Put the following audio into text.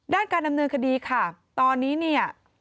การดำเนินคดีค่ะตอนนี้เนี่ย